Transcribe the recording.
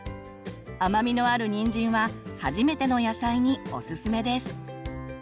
甘みのあるにんじんは初めての野菜におすすめです。